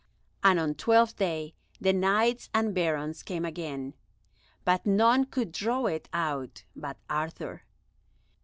And on Twelfth Day the Knights and Barons came again, but none could draw it out but Arthur.